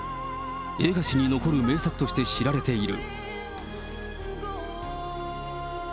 映画史に残る名作として知られている。